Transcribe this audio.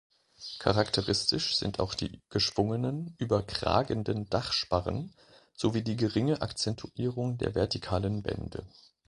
Charakteristisch sind auch die geschwungenen, überkragenden Dachsparren sowie die geringe Akzentuierung der vertikalen Wände.